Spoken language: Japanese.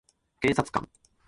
検察官